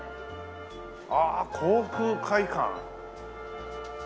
ああ航空会館。